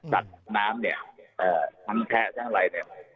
สัดน้ำเนี่ยทำแพ้ทำอะไรเนี่ย